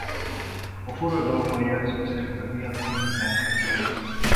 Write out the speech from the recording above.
A forradalomban játszott szerepe miatt emigrálnia kellett.